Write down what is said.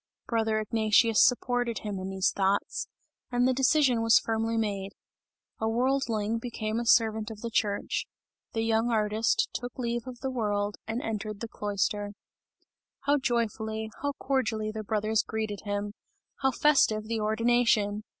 Brother Ignatius supported him in these thoughts, and the decision was firmly made a worldling became a servant of the church; the young artist took leave of the world, and entered the cloister. How joyfully, how cordially the brothers greeted him! How festive the ordination!